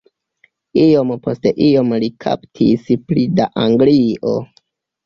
Iom post iom li kaptis pli da Anglio.